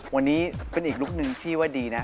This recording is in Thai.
วันนี้เป็นอีกลุคนึงที่ว่าดีนะ